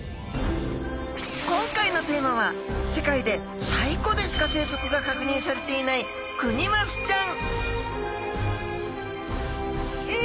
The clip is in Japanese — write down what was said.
今回のテーマは世界で西湖でしか生息が確認されていないクニマスちゃん